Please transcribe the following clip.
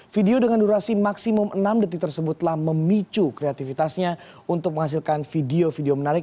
video dengan durasi maksimum enam detik tersebut telah memicu kreativitasnya untuk menghasilkan video video menarik